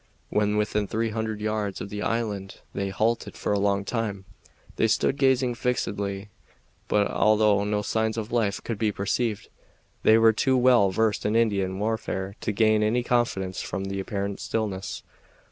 When within three hundred yards of the island they halted for a long time. They stood gazing fixedly; but, although no signs of life could be perceived, they were too well versed in Indian warfare to gain any confidence from the apparent stillness.